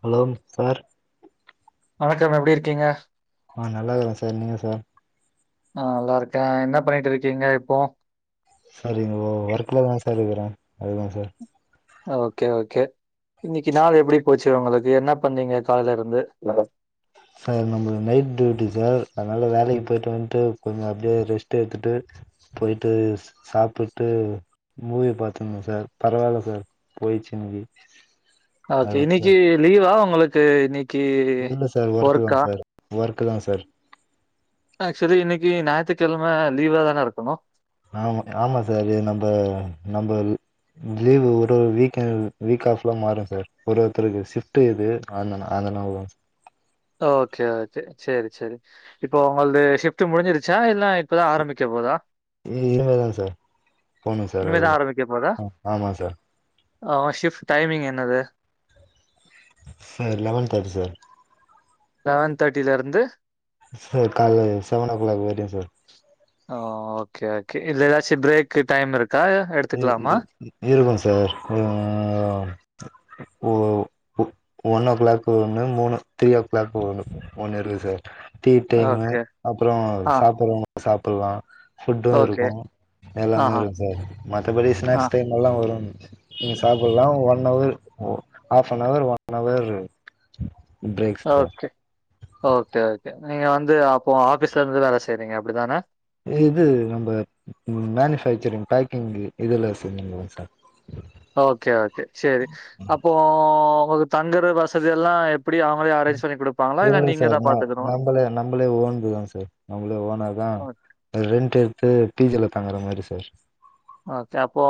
ஹலோங்க sir வணக்கம் எப்டி இருக்கீங்க ஆ நல்லா இருக்குற சார் நீங்க சார் நா நல்லா இருக்கேன் என்ன பண்ணிட்டு இருக்கீங்க இப்போ சார் இங்கோ ஒர்க்லதா சார் இருக்குற அதுதா சார் ஓகே ஓகே இன்னைக்கு நாள் எப்படி போச்சு உங்களுக்கு என்ன பண்ணீங்க கால்ல இருந்து சார் நம்மள்க்கு நைட் டியூட்டி சார் அதுனா வேலைக்கு போய்டு வன்ட்டு கொஞ்சோ அப்டியே ரெஸ்ட் எட்த்துட்டு போய்ட்டு சாப்பிட்டு மூவி பாத்தங்க சார் பரவால்ல சார் போய்ச்சு இன்னக்கி ஓகே இன்னைக்கு லீவா உங்குளுக்கு இன்னி இல்லங்க சார் ஒர்க்குதாங் சார் ஒர்க்குதான் சார் ஆக்சுவலி இன்னைக்கி ஞாய்த்துக்கிழம லீவாதான இருக்குணு ஆமா ஆமா சார் இது நம்ப நம்பல் லீவு ஒரு ஒரு வீகெண் வீக் ஆஃப்ல மாறு சார் ஒரு ஒருத்தருக்கு ஷிஃப்ட்டு இது அதுனன் அதுனால ஓகே ஓகே சேரி சேரி இப்போ உங்கள்து ஷிஃப்ட்டு முடிஞ்சிருச்சா இல்ல இப்பதா ஆரம்பிக்க போதா இ இனிமேதா சார் போணு சார் இனிமே தான் அதுதா ஆரம்பிக்க போதா? அ ஆமா சார் அ ஓ ஷிஃப் டைமிங் என்னது சார் லவன் தாட்டி சார் லவன் தாட்டில இருந்து சார் கால்ல சவனோ கிளாக் வரியு சார் ஓ ஓகே ஓகே இதுல எதாச்சு பிரேக்கு டைம் இருக்கா எடுத்துக்கலாமா? இருக்கூ சார் ம் ஓ ஒன்னோ கிளாக்கு ஒன்னு மூணு த்ரீயோ கிளாக்கு ஒன்னு ஒன்னு இருக்கு சார் டீ டைமு ஓகே. அப்புறோ ஆ. சாப்புறவுங்க சாப்புலா ஃபுட்டு ஓகே. இருக்கூ எல்லாமே ஆஹா இருக்கு சார் மத்தபடி ஆ ஸ்நாக்ஸ் டைமெல்லா வரு நீங்க சாப்புலா ஒன்னவர் ஒ half an hour one hour okay okay okay நீங்க வந்து அப்போ ஆஃபீஸ்லருந்து வேல செய்றீங்க அப்டி தான இது நம்ப ம் மேனுபேக்சரிங் பேக்கிங்கு இதுலா செஞ்சுனிக்குற சார் [inaudible] ஓகே ஓகே சேரி அப்போ ஒங்கள்க்கு தங்குற வசதி எல்லா எப் எப்புடி அவுங்களே அரேஞ்ச் பண்ணி குடுப்பாங்களா இல்ல நீங்க தா பாத்துக்கனுமா நம்மளே ஓன் இதுதா சார் நம்மளே ஓனா தா ஓகே, ரெண்ட் எடுத்து பி ஜில தங்குற மாரி சார் ஓகே அப்போ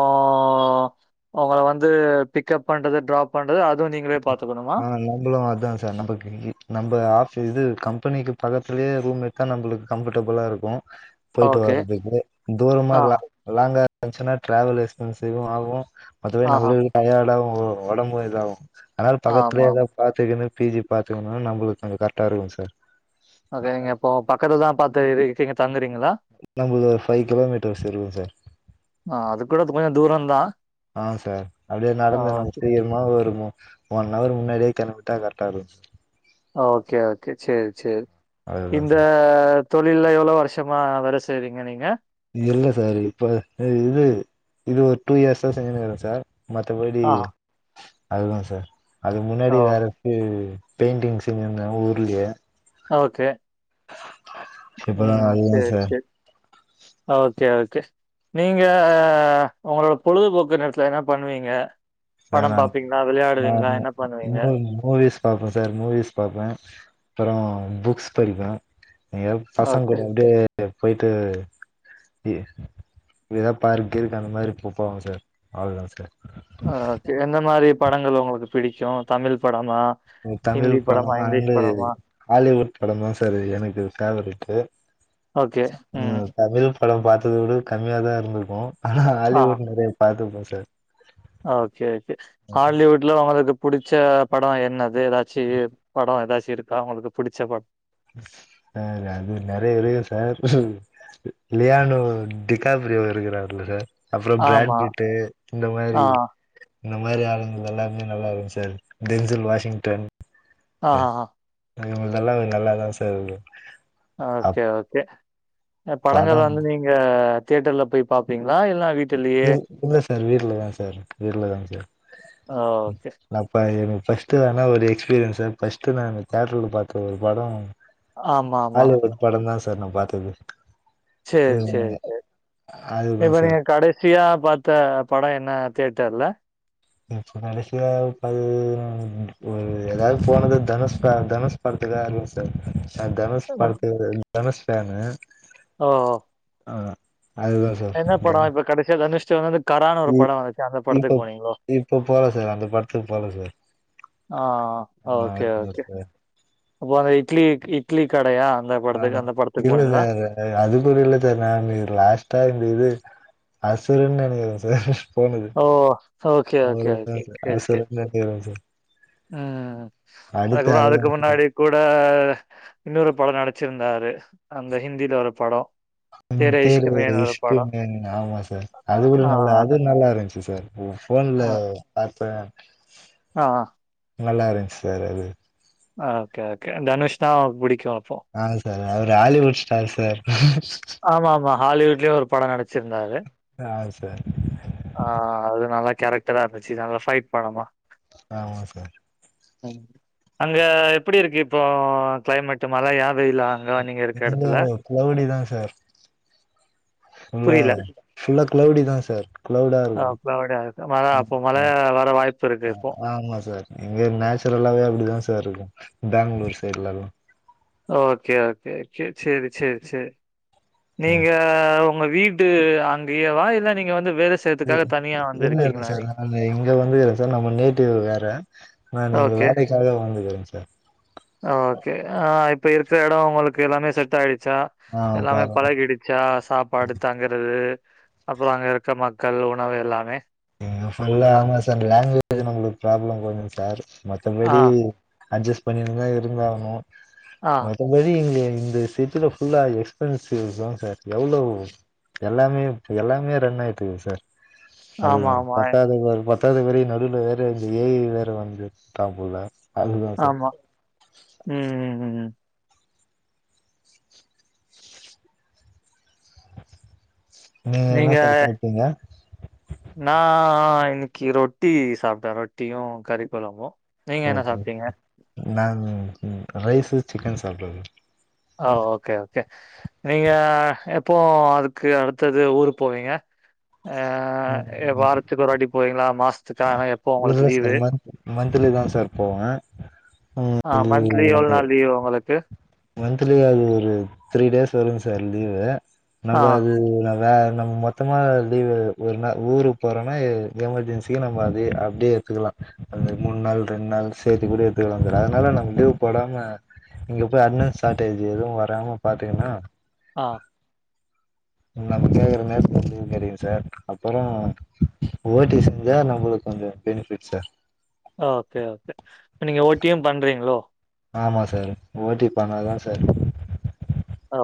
உங்கல வந்து பிக்கப் பண்றது ட்ரப் பண்றது அதுவு நீங்களே பாத்துக்குணுமா இவுங்களோ அதா சார் நம்புளுக் இங்கயே நம்ப ஆஃபீ இது கம்பெனிக்கு பக்கத்துலயே ரூம் எத்தா நம்புளுக் கம்ஃபர்டபுளா இருக்கோ போயிட்டு ஓகே. வர்றதுக்கு தூரமா ஆ, லா லாங்கா இருந்துச்சுன்னா ட்ராவல் எக்ஸ்பென்ஸீவோ ஆகோ மத்தபடி ஆஹா. நம்முளுக் டயர்டாவு ஒடம்போ இதாவு ஆனா பக்கத்துல எதா ஆமாமா. பாத்துக்குணு பி ஜி பாத்துக்குனா நம்முளுக்கு கொ்ஞ்சோ கரெக்டா இருக்கோ சார் ஓகே நீங்க இப்போ பக்கத்துலதா பாத்து இரு இருக்கீங்க தங்குறீங்களா நம்முள்து ஒரு ஃபைவ் கிலோமீட்டர்ஸ் இருக்கு சார் அ அதுக்கூட அ சார் அப்டியே ஆ, நடந்து நம்ம ஓகே. ஃப்ரீ யெல்ப் மா இருக்கு ஒன் அவர் முன்னாடியே கெளம்பிட்டா கரெக்டா இருக் ஓகே ஓகே செரி செரி அதுதா இந்த சார் தொழில்ல எவ்ளோ வருஷமா வேல செய்றீங்க நீங்க இல்ல சார் இப்போ இது இது ஒரு டூ இயர்ஸா செஞ்சினு இருக்க சார் மத்தபடி ஆ அதுதா சார் அதுக்கு முன்னாடி ஓ வேற இது பெயிண்டிங் செஞ்சிருந்தே ஊர்லயே ஓகே இப்பதா ம் அதிகோ சேரி சார் சேரி ஓகே ஓகே நீங்க உங்களோட பொழுதுபோக்கு நேரத்துல என்ன பண்ணுவீங்க சார் படம் நான் பாப்பீங்களா நா விளையாடுவீங்களா என்ன பண்ணுவீங்க மூ மூவிஸ் பாப்ப சார் மூவிஸ் பாப்ப அப்புறோ புக்ஸ் படிப்ப எங்கயாது பசங்க ஓகே கூடயே போயிட்டு எ எதா பார்க் கீர்க் அந்த மாரி போ போவ சார் அவ்ளோ தாங்க சார் அ எந்த மாரி படங்கள் உங்குளுக்கு பிடிக்கோ தமிழ் படமா ம் தமிழ் ஹிந்தி படோ படமா இங்கிலீஷ் அண்டு படமா ஹாலிவுட் படோந்தா சார் எனக்கு ஃபேவரெட்டு் ம் தமிழ் படம் பாத்தத விட கம்மியாதா இருந்துருக்கோ ஆனா ஆ ஹாலிவுட் நறையா பாத்துருப்ப சார் ஓகே ஓகே ஹாலிவுட்ல உங்குளுக்கு பிடிச்ச படோ என்னது ஏதாச்சு படோ ஏதாச்சு இருக்கா உங்குளுக்கு பிடிச்ச படோ சார் அது நறைய இருக்கு சார் லியானோ டிகாப்ரியோ இருக்கிறார்ல சார் அப்புறோ பிராண்ட் ஆமா பிட்டு இந்த ஆ மாரி இந்த மாரி ஆளுங்க எல்லாருமே நல்லா இருக்கோ சார் டென்சில் வாஷிங்டன் ஆ இவுங்கள்தெல்லா கொஞ்சோ நல்லாதா சார் இருக் ஓகே ஓகே அ படங்கள் படம் வந்து நீங்க தேட்டர்ல போய் பாப்பீங்களா இல்ல வீட் இல் இல்ல சார் வீட்டுலதா சார் இருக் வீட்டுலதா சார் ஆ ஓகே. நா பா எனக்கு ஃபஸ்ட்டு வேணா ஒரு எக்ஸ்பீரியன்ஸ் ஃபர்ஸ்ட்டு நானு தேட்டுர்ல பாத்த ஒரு படோ ஆமா, ஆமா. ஆலிவுட் படோந் தா சார் நா பாத்தது செரி செரி செரி அதுதா இப்ப ஏ சார் கட சியா பாத்த படொ என்ன தியட்டர்ல இப்போ கடைசியா ஒரு [unintelligible] ஏதாவ்து போனது தனுஷ்க தனுஷ் படத்துகா [unintelligible] தனுஷ்படத்து தனுஷ் ஃபேனு ஓ அவ்ள்தா அது என்ன படோ இப்போ கடைசியா தனுஷ் வந்து கரான்னு ஒரு படம் வந்துச்சு அந்த படத்துக்கு போனீங்ளோ இப்போ போல சார் அந்த படத்துக்கு போல சார் ஆ ஆ ஓகே அதுதா ஓகே சார் அப்போ அந்த இட்லி இட்லி கடையா அந்த ஆ படத்துக்கு அந்த படத்துக்கு இல்ல போனீங்களா? சாரு அது அதுகூட இல்ல சார் நா நீ லாஸ்ட்டா இந்த இது அசுரன் நெனக்கிறேன் சார் போனது ஓ! ஓகே, அவ்ள ஓகே, தா ஓகே. சார் அசுரன்தா [unintelligible] அ அதுக்கப்றோ அதுக்கு அதுதான் சார். முன்னாடி கூட இன்னொரு படொ நடிச்சிருந்தாரு அந்த ஹிந்தில ஒரு படொ ம் பேர் [unintelligible] ஆமா சார் அ அது கூட ஆ நல்லா அது நல்லா இருந்ச்சு சார் ஆ ஃபோன்ல பாத்த ஆ நல்லா இருந்ச்சு சார் அது ஆ ஓகே ஓகே இ தனுஷ்தா புடிக்கூ அப்போ ஆ சார் அவுரு ஆலிவுட் ஸ்டார் சார் ஆமா ஆமா ஹாலிவுட்லயு ஒரு படொ நடிச்சிருந்தாரு யாரு சார் ஆ அது நல்லா கேரக்டரா இருந்துச்சு நல்ல ஃபைட் படமா ஆமா சார் அங்க எப்டி இருக்கு இப்போ க்ளைமேட்டு மழையா வெயிலா அங்க நீங்க இருக்க இங்க இடத்துல? க்ளெவுடி தா சார் உள்ள புரியல. ஃபுல்லா க்ளெவுடி தா சார் க்ளெவுடா இருக்கூ க்ளெவுடா இருக்கூ மழ அப்ப மழைய வர வாய்ப் ஹ ஆமா சார் இங்கே நேச்சுரலாவே அப்டிதா சார் இருக்கூ பேங்ளூர் சைட்லல்லா ஓகே ஓகே செரி செரி செரி ம். நீங்க அ உங்க வீடு அங்கயேவா இல்ல நீங்க வந்து வேல இ செய்யறதுக்காக தனியா இல்ல இல்ல வந்திருக்கீங்களா சார் நீங்க இங்க வந்துகறே சார் நம்ம நேட்டிவ் வேற நா இங்க ஓகே. வேலைக்காக வந்துகுறே சார் ஓகே ஆ இப்ப இருக்கற எடொ உங்களுக்கு எல்லாமே செட் ஆயிடுச்சா ஆ எல்லாமே பரவா பழகிடிச்சா சாப்பாடு தங்கறது அப்புறொ அங்க இருக்க மக்கள் உணவு எல்லாமே இங்க ஃபுல்லா ஆமா சார் லாங்குவேஜ் உங்களுக்கு ப்ராப்ளம் கொஞ்சொ சார் ஆ, மத்தபடி அட்ஜஸ்ட் பண்ணிட்டுதா இருந்தாகனு ஆ. அந்த மாரி இந்த செட்டுல ஃபுல்லா எக்ஸ்பென்சிவ் தா சார் எவ்ளோ எல்லாமே எல்லாமே ரன் ஆயிட்டுக்கு சார் அதுதா ஆமா, ஆமா. பத்தாது பத்தாது வேர நடுல வேற இந்த ஏ ஐ வேற வந்து டா புல ஆமா ம் ம் ம் ம் நீங்க என்னா செஞ்சி சாப்டீங்க நா இன்னைக்கீ ரொட்டி சாப்ட்டே ரொட்டியு கறி கொழம்பு ஓகே நானு ரைஸு சிக்கன் சாப்ட ஆ ஓகே ஓகே நீங்க எப்போ அதுக்கு அடுத்தது ஊருக் போவீங்க ஏ ஏ வாரத்துக்கு ஒருவாட்டி போயீங்களா மாஸ் அ இல்ல சார் மந் மந்த்லி தா சார் போவேன் உம் ஆ மந்த்த்லி எவ்ளோ நாள் லீவு ஒங்களுக்கு மந்த்த்லி அது ஒரு த்ரீ டேஸ் வருங்க சார் லீவு நம்ம ஆ, அது வேற நம் மொத் சுத்தமாக லீவு் ஒருனா ஊருக்கு போறோன்னா எமர்ஜென்சி நம்ம அது அப்படியே எடுத்துக்கலாம் அந்த மூணு நாள் ரெண்டு நாள் சேத்து கூட எடுத்துக்கல சார் அதனால நம் லீவ் போடாம இப்பவே அட்னான்ஸ் ஸ்டாட் ஆயிருது எதுவும் வராம பாத்தீங்கன்னா ஆ எல்லா பத்தியு எல்லாமே [unintelligible] தெரியு சார் அப்புறம் ஓட்டி செஞ்சா நம்மளுக்கு கொஞ்சம் பெனிஃபிட் சார் ஓகே ஓகே இப்ப நீங்க ஓட்டியும் பண்றீங்ளோ ஆமா சார் ஓட்டி பண்ணாதா சார்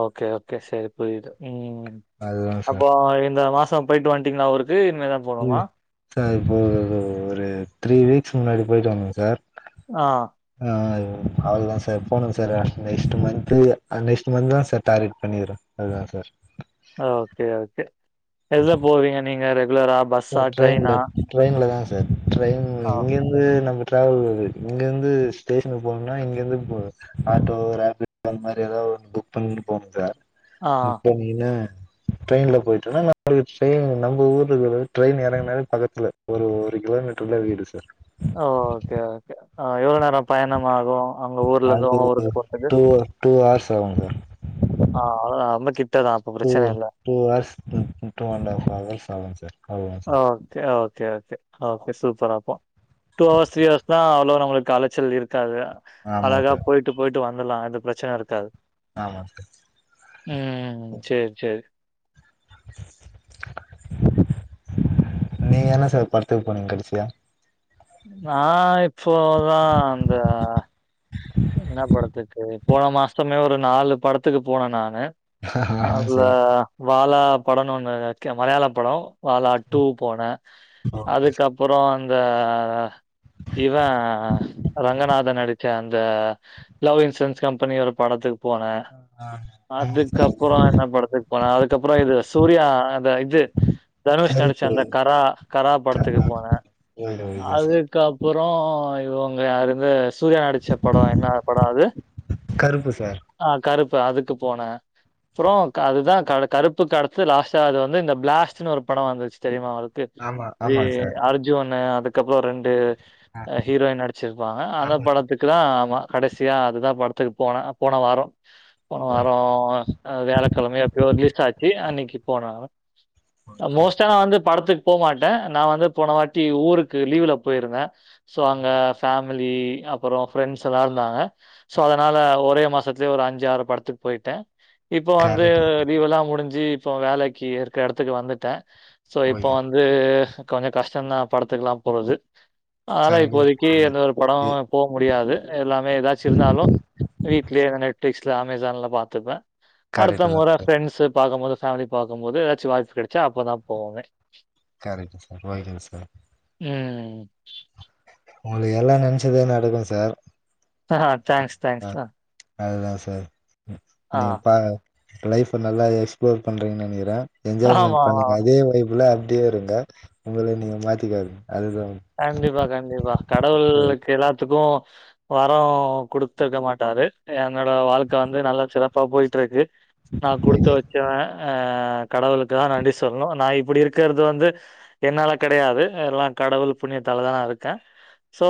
ஓகே ஓகே சரி புரியுது ம் அதுதா சார் அப்போ இந்த மாசம் போய்ட்டு வந்ட்டீங்களா ஊருக்கு இனிமேதா ம் சார் இப்போ ஒரூ ஒரு த்ரீ வீக்ஸ் முன்னாடி போய்ட்டு வந்தே சார் ஆ ஆ அவ்ளதான் சார் போனும் சார் நெக்ஸ்ட் மந்த்து நெக்ஸ்ட் மந்த்தா சார் டார்கெட் பண்ணிரு அதான் சார் ஓகே ஓகே எதுல போவீங்க நீங்க ரெகுலரா பஸ் அது ட்ரெயின்ல ட்ரெயின்ல தா சார் ட்ரெயின் ஆ. இங்கிருந்து வந்து நம்ம டிராவல் அது இங்க இருந்து ஸ்டேஷனுக்கு போனோம்னா இங்க இருந்து போவோ ஆட்டோ ரேப்பிட் அந்த மாரி ஏதாவது புக் பண்ணிடு போனும் சார் ஆ. இப்ப நீங்க ட்ரெயின்ல போயிட்டனா [unintelligible] ட்ரெயின் நம்ம ஊரு இதுல ட்ரெயின் இறங்குனாலே பக்கத்துல ஒரு ஒரு கிலோமீட்ர்ல வீடு சார் ஓ ஓகே ஓகே எவ்ளவு நேரம் பயணமாகு அங்க ஊர்ல இருந்து அது உங்க ஊர்க்கு போற்துக்கு டூ டூ ஆர்ஸ் ஆகுங்க ஆ அவ்ளதா ரொம்ப கிட்டதா அப்ப டூ பிரச்சன இல்ல two hours to two and half hours ஆகும் சார் அவ்ளோதா sir okay okay okay okay super அப்போம் டூ ஹவர்ஸ் த்ரீ ஹவர்ஸ்னா அவ்ளோ நமளுக்கு அலச்சல் இருக்காது ஆமா அழகா சார் போய்ட்டு போய்ட்டு வந்துலாம் எந்த பிரச்சனயு இருக்காது ஆமா சார் ம் சேர் சேரி நீங்க என்ன சார் படத்துக்கு போனீங்க கடைசியா நான் இப்போதான் அந்த [unintelligible] என்ன படத்துக்கு போன மாஸ்டமே ஒரு நாலு படத்துக்கு போனே நானு ஆ அதுல சார் வாழா படம்னு ஒன்னு கே மலையாள படம் வாழா டூ போனே அதுக்கப்புறம் அந்த இவ ரங்கநாத நடிச்ச அந் இந்த லவ் இன்சூரன்ஸ் கம்பெனி ஒரு படத்துக்கு போனே அதுக்கப்ரோ என்ன படத்துக்கு போன அதுக்கப்ரோ இது சூர்யா அத இது தனுஷ் நடிச்ச கருப்பு அந்த கரா கரா படத்துக்கு போன [unintelligible] கப்றோ இவங்க யார் இது சூரிய நடிச்ச படோ என்ன படோ அது கருப்பு சார் ஆ கருப்பு அதுக்கு போனே அப்றே அதுதா க கருப்புக் கடத்து லாஸ்ட்டா அது வந்து இந்த பிளாஸ்டுன்னு ஒரு படோ வந்துச்சு தெரியுமா அ து ஆமா வீ ஆமாங்க சார் ஆரஞ் ஜீவா அண்ண அதுக்கப்றோ ரெண்டு ஆ அ ஹீரோயின் நடிச்சிருப்பாங்க அந்த ஆமா சார் படத்துக் குதா ஆமா கடசியா அதுதா படத்துக்கு போனே போன வாரோ போன ஓகே வாரோ ஆ வியாழக்கெழம எப்பயோ ரிலிஸ் ஆச்சு அன்னைக்கு போன மோஸ்ட்டா நா வந்து படத்து போ மாட்டே நா வந்து போன வாட்டி ஊருக்கு லீவுல போயிருந்த சோ அங்க ஃபேமிலி அப் புறோ ஃப்ரெண்ட்ஸ் எல்லா இருந்தாங்க சோ அதனால ஒரே மாசத்துலேயே ஒரு அஞ்சு ஆறு படத்துக்கு போயிட்டே இப்போ வந்து கரெக்ட் லீவுலா முடுஞ்சு இப்போ வேலைக்கு இருக்க எடத்துக்கு வந்துட்டே சோ இப்போ ஓகே வந்து கொஞ்ச கஷ்டந்தா படத்துக்குலா போறது நாளா இப்போதைக்கு கரெக்ட் எந்த ஒரு படோ போ முடியாது எல்லாமே ஏதாச்சு இருந்தாலு வீட்லயே இந்த நெட்ஃப்ளிக்ஸ்ல அமேசான்ல பாத்துப்பே அடுத்த கரெக்ட் தான் மொற சார் ஃபிரெண்ட்ஸு பாக்கும்போது ஃபேமிலி பாக்கும்போது ஏதாச்சு வாய்ப்பு கெடச்சா அப்போதா போவே கரெக்ட் சார் போய்டுங்க சார் ம் உங்களுக்கு எல்லா நெனச்சது நடக்கு சார் ஆஹா தேங்க்ஸ், அ தேங்க்ஸ். அதுதா சார் ஆ நீங்க பாரு லைஃப் நல்லா எக்ஸ்ப்ளோர் பண்றீங்கன்னு நெனக்குற ஆமா, என்ஜாய்மெண்ட் ஆமா. பண்ணுங்க இதே லைஃபுல்லா அப்டியே இருங்க உங்கள நீங்க மாத்திக்காதிங்க அதுதா கண்டிப்பா கண்டிப்பா ஓக் கடவுள்க்கு எல்லாத்துக்கு வரோ குடுத்துருக்க மாட்டாரு என்னோட வாழ்க்க வந்து நல்லா சிறப்பா போயிட்டு இருக்கு நா குடுத்து ஓகே வெச்சவ ஆ கடவுளுக்கு தா நன்றி சொல்ணு நா இப்படி இருக்குறது வந்து என்னால கெடையாது எல்லா கடவுள் புண்ணியத்தாலதா நா இருக்கே சோ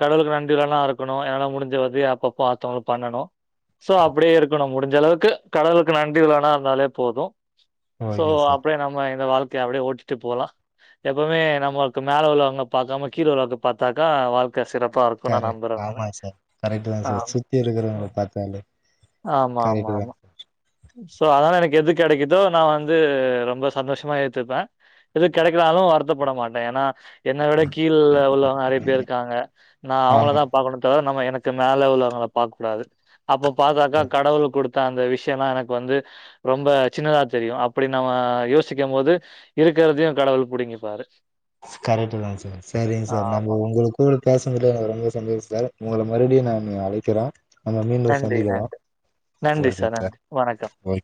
கடவுளுக்கு நன்றிகடனா இருக்கணு என்னால முடிஞ்ச உதவிய அப்பப்போ அத்தவங்களுக் பண்ணணு சோ அப்டியே இருக்கணு முடிஞ்ச அளவுக்கு கடவுளுக்கு நன்றி கடனா இருந்தாலே போது சோ ஓகே சார் அப்டியே நம்ம இந்த வாழ்க்கைய அப்டியே ஓட்டிட்டு போலா எப்பவுமே நமக்கு மேல உள்ளவங்க பாக்காம கீழ உள்ளது பாத்தாக்கா வாழ் க்க சிறப்பா இருக்கு நா கரெ நம்புறனால ஆமா சார் கரெக்ட்டு தா ஆ சார் சுத்தி இருக்கிறவங்கள ம் பாத்தாலே ஆமா ஆமா கரெக்ட்டு தா ஆமா சோ அதனால எனக்கு எது கெடைக்குதோ நா வந்து ரொம்ப சந்தோஷமா ஏத்துப்பே எது கெடைக்லாலு வருத்தப்பட மாட்ட ஏன்னா என்ன விட கீழ்ல உள்ளவங்க நறைய பேர் இருக்காங்க நா அவங்கள ஆமா தா பாக்கணு தவிர நம்ம எனக் கு மேல உள்ளவங்கள பாக்க கூடாது அப்ப பாத்தாதா சார் கடவுள் குடுத்த அந்த விஷயலா எனக்கு வந்து ரொம்ப சின்னதா தெரியு அப்டி நம்ம யோசிக்கு போது இருக்குறதையு கடவுள் புடுங்கிப்பாரு கரெக்ட் தா சார் சரிங்க சார் நம்ம ஆமா உங்களுக் கூட பேசனதுலயே எனக்கு ரொம்ப சந்தோஷ சார் உங்கள மறுபடியு நானு அழைக்கிற நம்ம மீண்டு நன்றி சந்திக்கலா நன்றி நன்றி ஓகே சார் சா நன்றி வணக்கம் ஓ